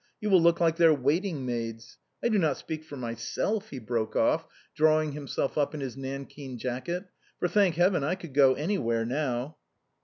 You will look like their waiting maids. I do not speak for myself," he broke off, drawing himself up in his nankeen jacket, " for, thank heaven, I could go anywhere now."